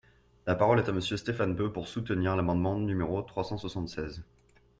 La parole est à Monsieur Stéphane Peu, pour soutenir l’amendement numéro trois cent soixante-seize.